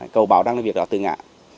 cầu bảo đang làm việc đó từ ngã